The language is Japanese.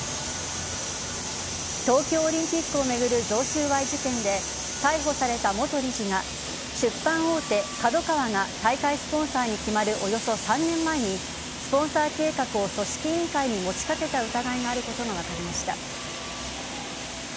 東京オリンピックを巡る贈収賄事件で逮捕された元理事が出版大手・ＫＡＤＯＫＡＷＡが大会スポンサーに決まるおよそ３年前にスポンサー計画を組織委員会に持ちかけた疑いがあることが分かりました。